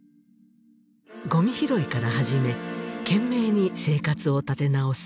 ごみ拾いから始め懸命に生活を立て直す